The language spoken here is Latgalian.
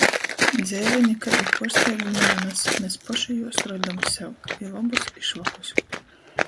Dzeive nikaidu puorsteigumu nanas, mes poši jūs rodom sev - i lobus, i švakus...